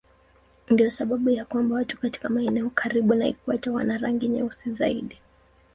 Ndiyo sababu ya kwamba watu katika maeneo karibu na ikweta wana rangi nyeusi zaidi.